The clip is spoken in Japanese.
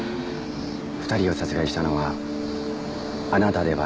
２人を殺害したのはあなたではないんですね？